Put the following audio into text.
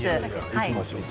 いきましょう。